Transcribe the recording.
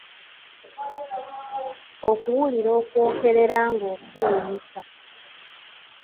Okuwulira okwokerera ng’ofuuyisa.